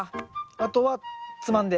あとはつまんで。